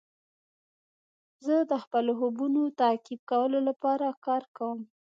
زه د خپلو خوبونو تعقیب کولو لپاره کار کوم.